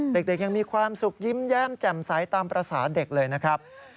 ยังมีความสุขยิ้มแย้มแจ่มใสตามภาษาเด็กเลยนะครับ